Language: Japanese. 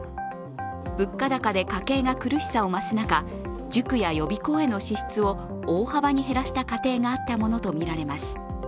物価高で家計が苦しさを増す中、塾や予備校への支出を大幅に減らした家庭があったものとみられます。